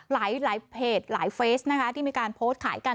หลายเพจหลายเฟสนะคะที่มีการโพสต์ขายกัน